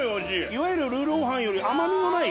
いわゆるルーローハンより甘みのない。